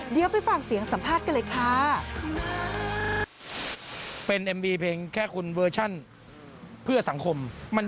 เดี๋ยวไปฟังเสียงสัมภาษณ์กันเลยค่ะ